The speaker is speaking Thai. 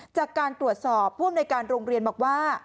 จากการตรวจสอบพนโรงเรียนบอกว่า